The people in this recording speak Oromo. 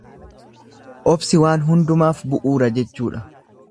Obsi waan hundaaf bu'uura jechuudha.